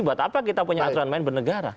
buat apa kita punya aturan main bernegara